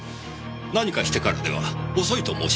何をしてからでは遅いと申し上げています。